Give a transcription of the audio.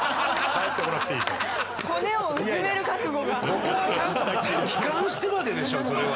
ここはちゃんと帰還してまででしょそれは。